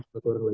satu orang lagi